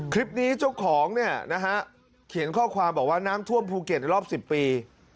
คลิปนี้เจ้าของเนี่ยนะฮะเขียนข้อความบอกว่าน้ำท่วมภูเก็ตในรอบ๑๐ปี